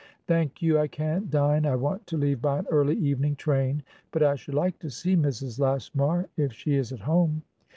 "Thank you, I can't dine; I want to leave by an early evening train. But I should like to see Mrs. Lashmar, if she is at home."